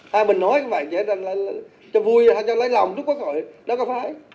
hay mình nói cho vui hay cho lấy lòng cho quốc hội đó có phải